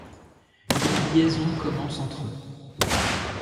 Une liaison commence entre eux.